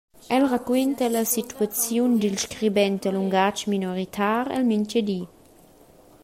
El raquenta la situaziun dil scribent da lungatg minoritar el mintgadi.